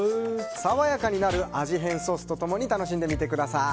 爽やかになる味変ソースと共に楽しんでみてください。